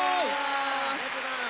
ありがとうございます！